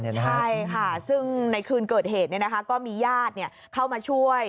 ใช่ค่ะซึ่งในคืนเกิดเหตุก็มีญาติเข้ามาช่วย